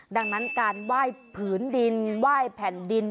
ดังนั้นการไหว้ผืนดินไหว้แผ่นดิน